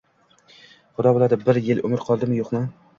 Xudo biladi, bir yil umrim qoldimi-yoʻqmi